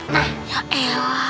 nah ya elah